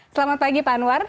selamat pagi pak anwar